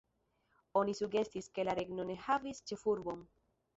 Oni sugestis ke la regno ne havis ĉefurbon.